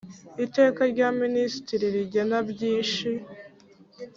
Iteka rya Minisitiri rigena byishi.